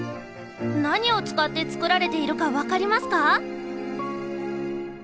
何を使って作られているか分かりますか？